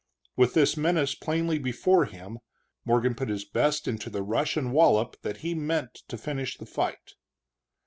With this menace plainly before him, Morgan put his best into the rush and wallop that he meant to finish the fight.